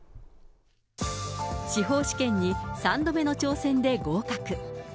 司法試験に３度目の挑戦で合格。